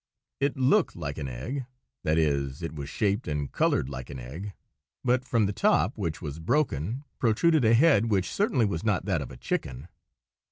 It looked like an egg: that is, it was shaped and coloured like an egg; but from the top, which was broken, protruded a head which certainly was not that of a chicken.